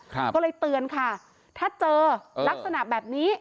ก็เลยเตือนค่ะถ้าเจอลักษณะแบบนี้